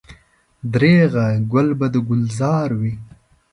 درېغه ګل به د ګلزار وي.